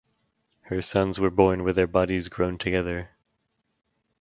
Her sons were born with their bodies grown together.